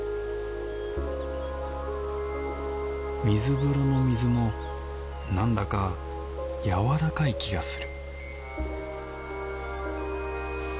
水風呂の水もなんだかやわらかい気がする